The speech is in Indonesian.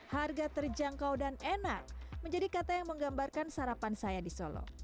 harga terjangkau dan enak menjadi kata yang menggambarkan sarapan saya di solo